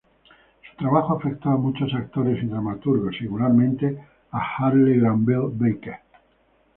Su trabajo afectó a muchos actores y dramaturgos, singularmente a Harley Granville-Barker.